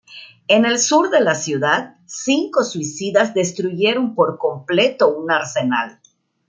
En el sur de la ciudad, cinco suicidas destruyeron por completo un arsenal.